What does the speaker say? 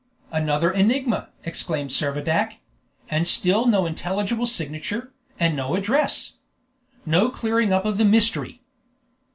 "Another enigma!" exclaimed Servadac; "and still no intelligible signature, and no address. No clearing up of the mystery!"